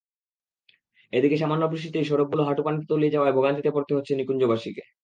এদিকে সামান্য বৃষ্টিতেই সড়কগুলো হাঁটুপানিতে তলিয়ে যাওয়ায় ভোগান্তিতে পড়তে হচ্ছে নিকুঞ্জবাসীকে।